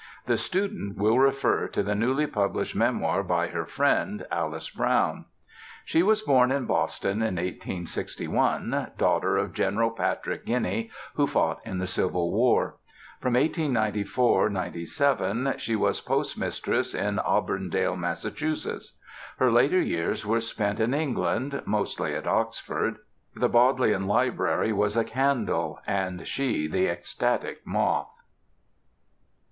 The student will refer to the newly published memoir by her friend, Alice Brown. She was born in Boston in 1861, daughter of General Patrick Guiney who fought in the Civil War. From 1894 97 she was postmistress in Auburndale, Mass. Her later years were spent in England, mostly at Oxford: the Bodleian Library was a candle and she the ecstatic moth.